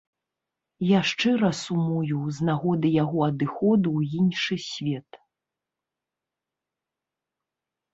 Я шчыра сумую з нагоды яго адыходу ў іншы свет.